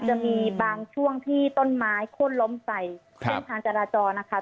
จะมีบางช่วงที่ต้นไม้โค้นล้มใส่เส้นทางจราจรนะคะ